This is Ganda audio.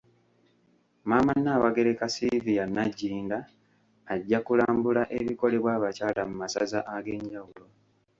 Maama Nnaabagereka Sylvia Nagginda, ajja kulambula ebikolebwa abakyala mu masaza ag’enjawulo.